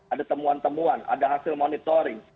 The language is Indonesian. ada temuan temuan ada hasil monitoring